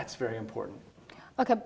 itu sangat penting